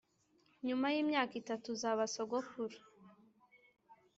nyuma yimyaka itatu, uzaba sogokuru